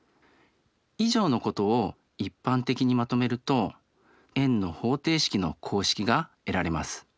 以上のことを一般的にまとめると円の方程式の公式が得られます。